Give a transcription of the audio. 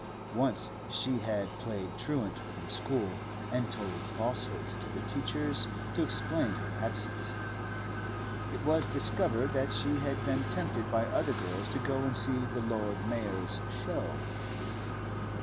Once she had played truant from school, and told falsehoods to the teachers to explain her absence. It was discovered that she had been tempted by other girls to go and see the Lord Mayor's show.